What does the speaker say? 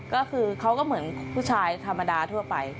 ก็คือเขาก็เหมือนผู้ชายธรรมดาทั่วไป